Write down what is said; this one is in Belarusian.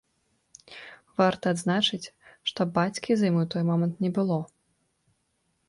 Варта адзначыць, што бацькі з ім у той момант не было.